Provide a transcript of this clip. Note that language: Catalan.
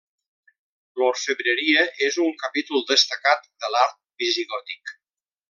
L'orfebreria és un capítol destacat de l'art visigòtic.